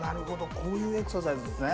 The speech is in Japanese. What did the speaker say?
こういうエクササイズですね。